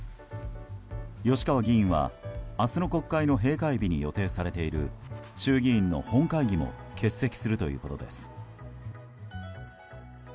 吉川議員は明日の国会の閉会日に予定されている衆議院の本会議も欠席するということです。